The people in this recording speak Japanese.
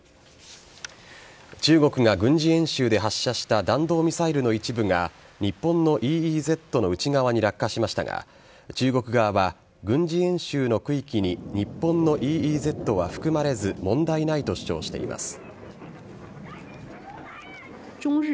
中国が軍事演習で発射した弾道ミサイルの一部が日本のＥＥＺの内側に落下しましたが中国側は軍事演習の区域に日本のＥＥＺは含まれず問題ないと主張しています。